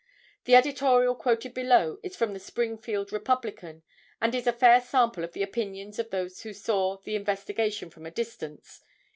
The editorial quoted below is from the Springfield Republican and is a fair sample of the opinions of those who saw the investigation from a distance.